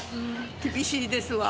厳しいですわ。